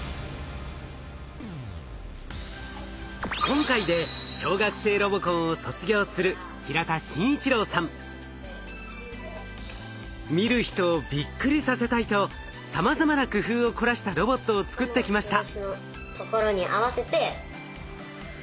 今回で見る人をびっくりさせたいとさまざまな工夫を凝らしたロボットを作ってきました。